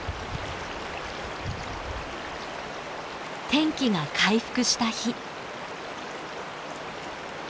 天気が回復した日。